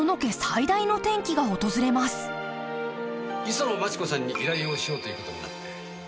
磯野マチ子さんに依頼をしようということになって。